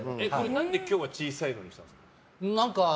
何で今日は小さいのにしたんですか？